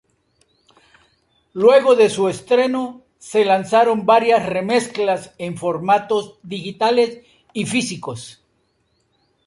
Luego de su estreno, se lanzaron varias remezclas en formatos digitales y físicos.